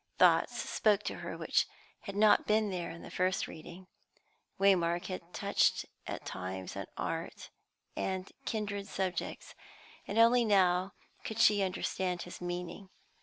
Thoughts spoke to her which had not been there on the first reading. Waymark had touched at times on art and kindred subjects, and only now could she understand his meaning.